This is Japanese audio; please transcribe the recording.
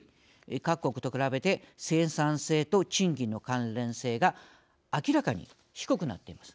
各国と比べて生産性と賃金の関連性が明らかに低くなっています。